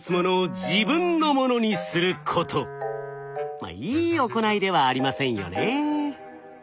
まっいい行いではありませんよね。